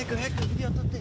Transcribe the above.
ビデオ撮って！